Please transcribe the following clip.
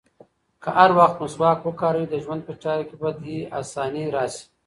که هر وخت مسواک وکاروې، د ژوند په چارو کې به دې اساني راشي.